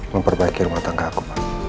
memperbaiki rumah tangga aku